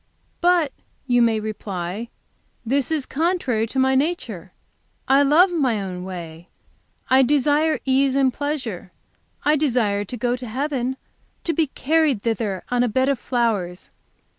'But,' you may reply, 'this is contrary to my nature. I love my own way. I desire ease and pleasure; I desire to go to heaven, to be carried thither on a bed of flowers.